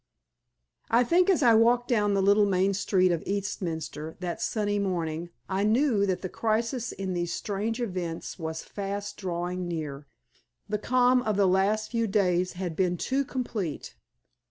I think as I walked down the little main street of Eastminster that sunny morning I knew that the crisis in these strange events was fast drawing near. The calm of the last few days had been too complete.